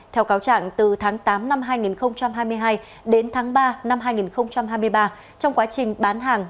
theo cáo trạng từ tháng tám năm hai nghìn hai mươi hai đến tháng ba năm hai nghìn hai mươi ba trong quá trình bán hàng